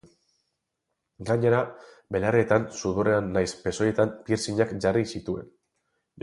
Gainera, belarrietan, sudurrean nahiz pezoietan piercingak jarri zituen.